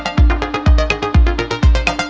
tidak aku harus bagaimana